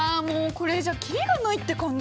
これじゃ切りがないって感じ！